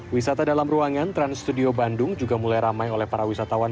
wisata dalam ruangan trans studio bandung juga mulai ramai oleh para wisatawan